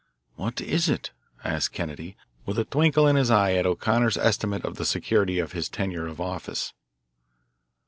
"What is it?" asked Kennedy with a twinkle in his eye at O'Connor's estimate of the security of his tenure of office.